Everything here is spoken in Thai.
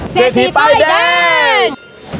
เศรษฐีป้ายแดง